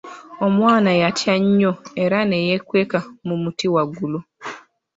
Omwana yatya nnyo era ne yeekweka mu muti waggulu.